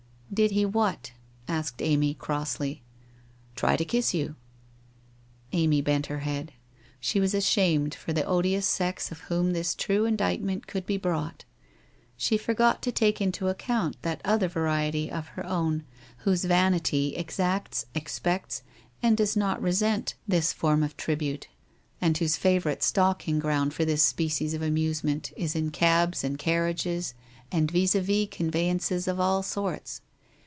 1 Did he what?' asked Amy crossly. 1 Try to kiss you ?' Amy bent her head. She was ashamed for the odious sex of whom this true indictment could be brought. She forgot to take into account that other variety of her own, whose vanity exacts, expects, and does not resent thi9 100 WHITE ROSE OF WEARY LEAP form of tribute, and whose favourite stalking ground for this species of amusement is in cabs, and carriages, and vis a vis conveyances of all sorts.